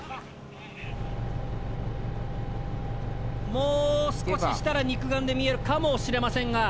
もう少ししたら肉眼で見えるかもしれませんが。